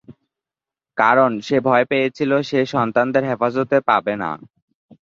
কারণ, সে ভয় পেয়েছিল সে সন্তানদের হেফাজত পাবে না।